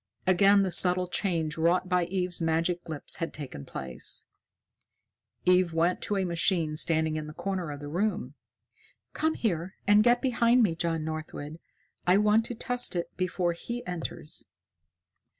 Again the subtle change wrought by Eve's magic lips had taken place. Eve went to a machine standing in a corner of the room. "Come here and get behind me, John Northwood. I want to test it before he enters."